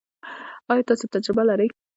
ایا تاسو تجربه لرئ؟